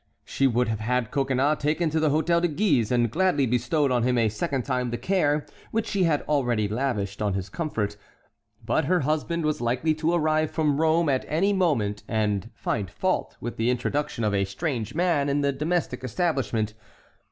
She would have had Coconnas taken to the Hôtel de Guise and gladly bestowed on him a second time the care which she had already lavished on his comfort, but her husband was likely to arrive from Rome at any moment and find fault with the introduction of a strange man in the domestic establishment.